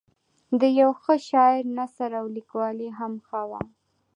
د یوه ښه شاعر نثر او لیکوالي هم ښه وه.